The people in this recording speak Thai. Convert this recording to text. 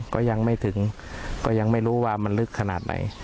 ก็ยังไม่ถึงก็ยังไม่รู้ว่ามันลึกขนาดไหน